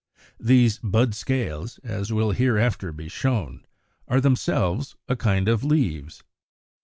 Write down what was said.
These bud scales, as will hereafter be shown, are themselves a kind of leaves.